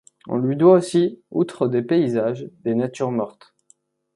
On lui doit aussi, outre des paysages, des natures mortes.